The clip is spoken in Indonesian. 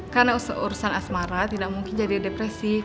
karena urusan asmara tidak mungkin jadi depresi